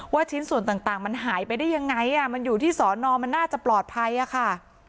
ชิ้นส่วนต่างมันหายไปได้ยังไงมันอยู่ที่สอนอมันน่าจะปลอดภัยอะค่ะ